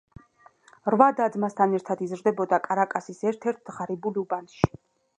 რვა და-ძმასთან ერთად იზრდებოდა კარაკასის ერთ-ერთ ღარიბულ უბანში.